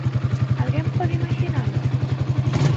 Alguén pode imaxinalo?